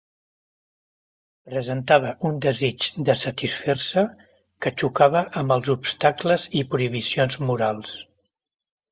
Presentava un desig de satisfer-se que xocava amb els obstacles i prohibicions morals.